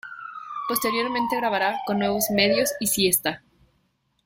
Posteriormente grabará con Nuevos Medios y Siesta.